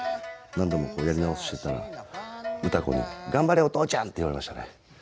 何度もこうやり直してたら歌子に「ガンバれお父ちゃん！」って言われましたね。